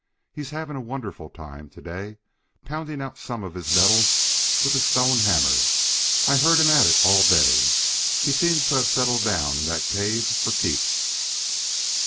He was having a wonderful time today pounding out some of his metals with a stone hammer; I heard him at it all day. He seems to have settled down in that cave for keeps."